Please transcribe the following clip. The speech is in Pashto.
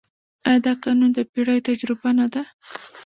آیا دا قانون د پېړیو تجربه نه ده؟